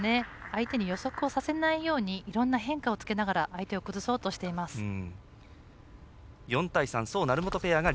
相手に予測をさせないよういろんな変化をつけながら相手を崩そうとしています。